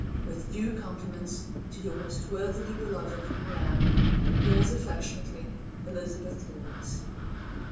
With due compliments to your most worthily beloved, I am Your's affectionately, ELIZAB. LAWRANCE.